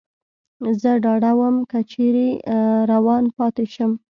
زه ډاډه ووم، که چېرې روان پاتې شم.